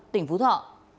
tỉnh phú thọ